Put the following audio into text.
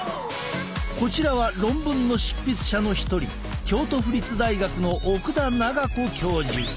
こちらは論文の執筆者の一人京都府立大学の奥田奈賀子教授。